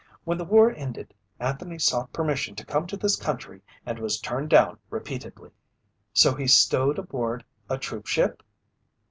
When the war ended, Anthony sought permission to come to this country and was turned down repeatedly." "So he stowed aboard a troopship?"